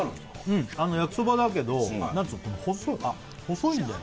うん焼きそばだけど何ていうの細いんだよ